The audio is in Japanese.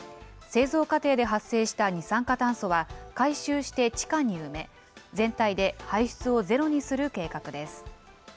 製造過程で発生した二酸化炭素は、回収して地下に埋め、全体で排出をゼロにする計画です。